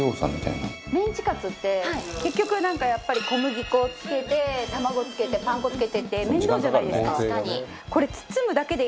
メンチカツって結局なんかやっぱり小麦粉つけて卵つけてパン粉つけてって面倒じゃないですか。